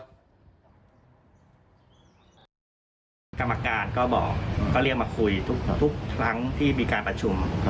กรรมการก็บอกก็เรียกมาคุยทุกครั้งที่มีการประชุม